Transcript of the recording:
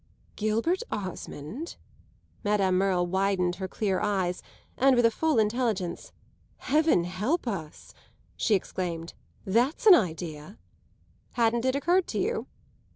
"Gilbert Osmond?" Madame Merle widened her clear eyes and, with a full intelligence, "Heaven help us," she exclaimed, "that's an idea!" "Hadn't it occurred to you?"